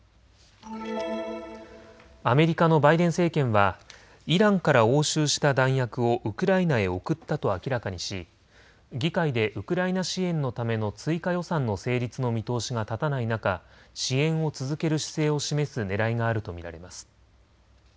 アメリカのバイデン政権はイランから押収した弾薬をウクライナへ送ったと明らかにし議会でウクライナ支援のための追加予算の成立の見通しが立たない中、支援を続ける姿勢を示すねらいがあると見られます。